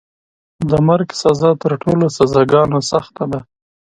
د مرګ سزا تر ټولو سزاګانو سخته ده.